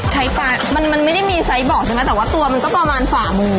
ใช้ปลามันมันไม่มีไซส์แบบใช่ไหมแต่ว่าตัวมันก็ประมาณสามื่อ